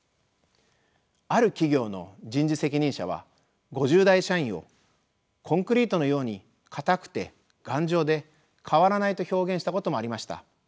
ある企業の人事責任者は５０代社員をコンクリートのように硬くて頑丈で変わらないと表現したこともありました。